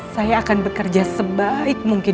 saya akan bekerja sebaik mungkin